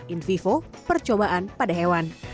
in vivo percobaan pada hewan